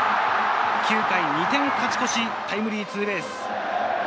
９回、２点勝ち越しタイムリーツーベース。